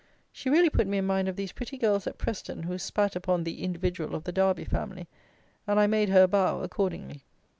She really put me in mind of the pretty girls at Preston who spat upon the "individual" of the Derby family, and I made her a bow accordingly.